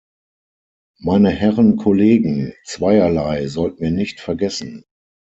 Meine Herren Kollegen, zweierlei sollten wir nicht vergessen.